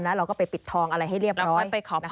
แล้วก็ไปปิดทองอะไรให้เรียบร้อย